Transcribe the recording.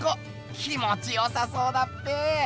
気もちよさそうだっぺ。